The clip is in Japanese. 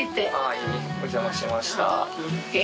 お邪魔しました。